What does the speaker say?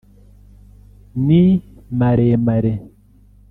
ni maremare